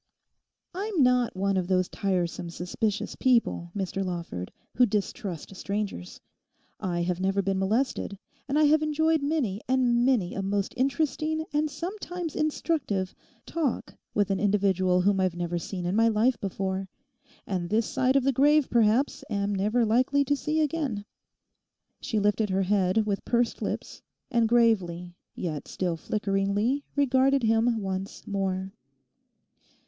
'I'm not one of those tiresome, suspicious people, Mr Lawford, who distrust strangers. I have never been molested, and I have enjoyed many and many a most interesting, and sometimes instructive, talk with an individual whom I've never seen in my life before, and this side of the grave perhaps, am never likely to see again.' She lifted her head with pursed lips, and gravely yet still flickeringly regarded him once more.